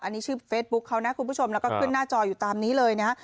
อันนี้ชื่อเฟซบุ๊คเขานะคุณผู้ชมแล้วก็ขึ้นหน้าจออยู่ตามนี้เลยนะ